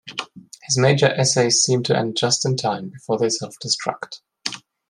"His major essays seem to end just in time, before they self-destruct".